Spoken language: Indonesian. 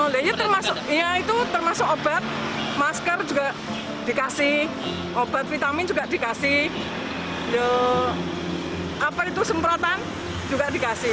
lainnya itu termasuk obat masker juga dikasih obat vitamin juga dikasih apa itu semprotan juga dikasih